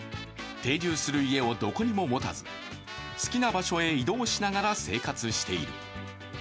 定住する家をどこにも持たず、好きな場所へ移動しながら生活している。